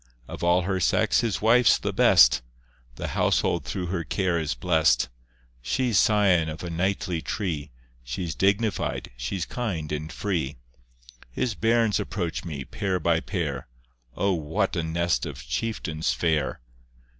Of all her sex his wife's the best, The household through her care is blest; She's scion of a knightly tree, She's dignified, she's kind and free. His bairns approach me, pair by pair, O what a nest of chieftains fair!